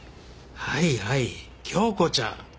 はいはい京子ちゃん。